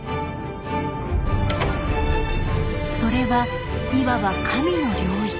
それはいわば「神の領域」。